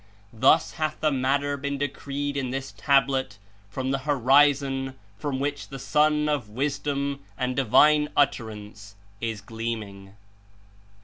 Thus hath the matter been decreed In this Tablet from the Horizon from which the Sun of Wisdom and Divine Utterance Is gleaming.